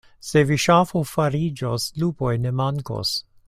Se vi ŝafo fariĝos, lupoj ne mankos.